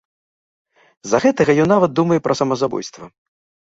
З-за гэтага ён нават думае пра самазабойства.